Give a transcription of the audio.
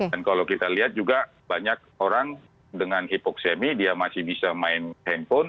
dan kalau kita lihat juga banyak orang dengan hipoksemi dia masih bisa main handphone